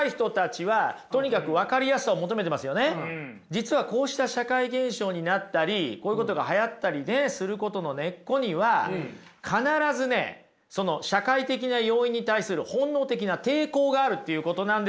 実はこうした社会現象になったりこういうことがはやったりすることの根っこには必ずねその社会的な要因に対する本能的な抵抗があるっていうことなんですよ。